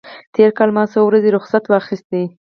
تېر کال ما څو ورځې رخصت واخیست.